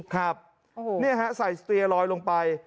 ครับนี่ฮะใส่สเตียลอยลงไป